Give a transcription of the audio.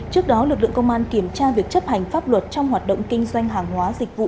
trước đó lực lượng công an kiểm tra việc chấp hành pháp luật trong hoạt động kinh doanh hàng hóa dịch vụ